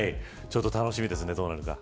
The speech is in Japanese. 楽しみですね、どうなるか。